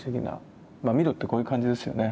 まあミロってこういう感じですよね。